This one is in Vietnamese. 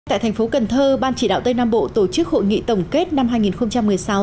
tại thành phố cần thơ ban chỉ đạo tây nam bộ tổ chức hội nghị tổng kết năm hai nghìn một mươi sáu